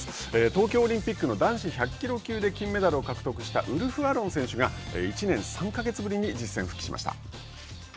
東京オリンピックの男子１００キロ級で金メダルを獲得したウルフ・アロン選手が１年３か月ぶりに実戦復帰しました。